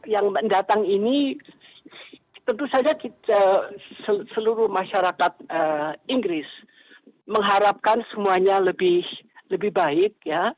yang datang ini tentu saja seluruh masyarakat inggris mengharapkan semuanya lebih baik